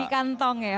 di kantong ya pak ya